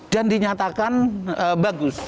dan dinyatakan bagus